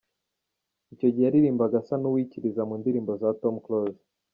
Icyo gihe yaririmbaga asa n’uwikiriza mu ndirimbo za Tom Close.